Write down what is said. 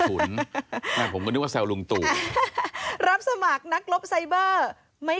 ผมก็นึกว่าแซวลุงตู่รับสมัครนักรบไซเบอร์ไม่